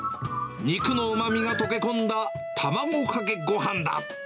肉のうまみが溶け込んだ、卵かけごはんだ。